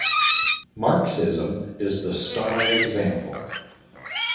Marxism is the star example.